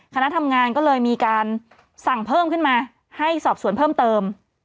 คณะทำงานก็เลยมีการสั่งเพิ่มขึ้นมาให้สอบสวนเพิ่มเติม